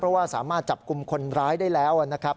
เพราะว่าสามารถจับกลุ่มคนร้ายได้แล้วนะครับ